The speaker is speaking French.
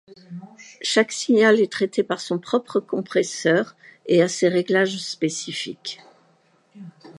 Chaque signal est traité par son propre compresseur et a ses réglables spécifiques.